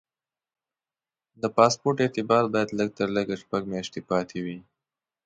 د پاسپورټ اعتبار باید لږ تر لږه شپږ میاشتې پاتې وي.